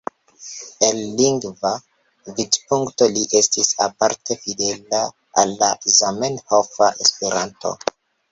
El lingva vidpunkto, li estis aparte fidela al la zamenhofa Esperanto.